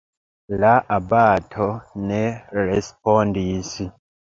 La abato ne respondis.